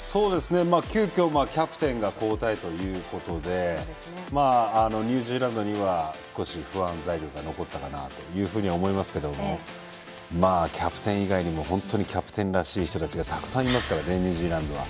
急きょキャプテンが交代ということでニュージーランドには少し不安材料が残ったと思いますがキャプテン以外にもキャプテンらしい人がたくさんいますからねニュージーランドは。